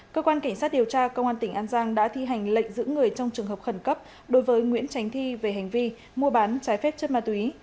cơ quan cảnh sát điều tra công an tỉnh an giang đã thi hành lệnh giữ người trong trường hợp khẩn cấp đối với nguyễn tránh thi về hành vi mua bán trái phép chất ma túy